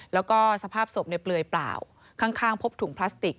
แล้วก็สภาพศพเปลือยเปล่าข้างพบถุงพลาสติก